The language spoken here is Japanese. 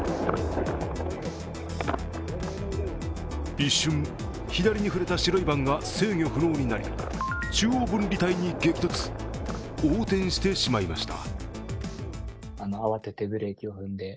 一瞬、左に振れた白いバンが制御不能になり、中央分離帯に激突、横転してしまいました。